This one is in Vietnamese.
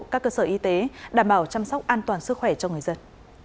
các cơ sở y tế đảm bảo chăm sóc an toàn sức khỏe cho người dân